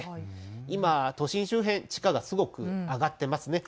今、都心周辺、地価がすごく上がっていますね。